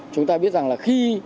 chúng ta biết rằng là khi